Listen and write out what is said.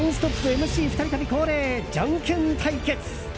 ＭＣ２人旅恒例じゃんけん対決！